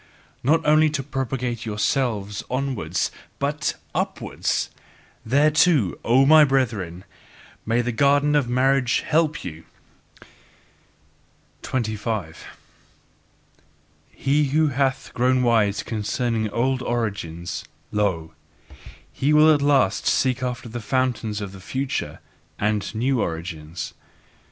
Not only to propagate yourselves onwards but UPWARDS thereto, O my brethren, may the garden of marriage help you! 25. He who hath grown wise concerning old origins, lo, he will at last seek after the fountains of the future and new origins.